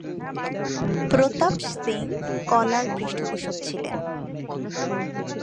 প্রতাপ সিং কলার পৃষ্ঠপোষক ছিলেন।